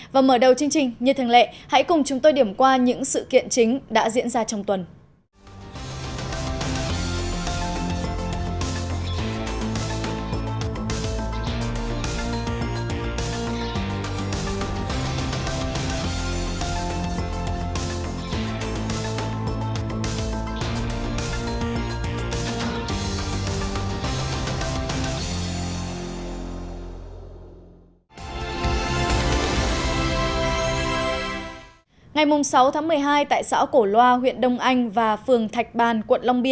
và mở đầu chương trình như thường lệ hãy cùng chúng tôi điểm qua những sự kiện chính đã diễn ra trong tuần